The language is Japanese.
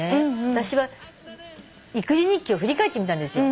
私は育児日記を振り返ってみたんですよ。